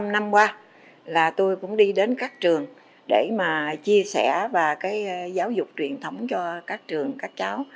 một mươi năm năm qua là tôi cũng đi đến các trường để mà chia sẻ và cái giáo dục truyền thống cho các trường các cháu